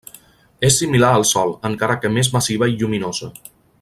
És similar al Sol, encara que més massiva i lluminosa.